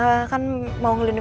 gue sebanyak ngomong